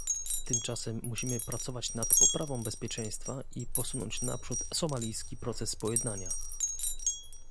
Tymczasem musimy pracować nad poprawą bezpieczeństwa i posunąć naprzód somalijski proces pojednania